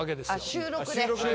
収録で。